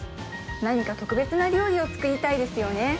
何か特別な料理を作りたいですよね